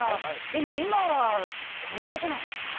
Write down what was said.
でも今はこういうことなんですね。